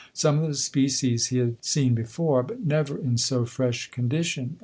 Some of the species he had seen before, but never in so fresh condition.